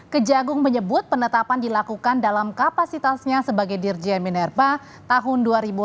kejagung menyebut penetapan dilakukan dalam kapasitasnya sebagai dirjen minerba tahun dua ribu lima belas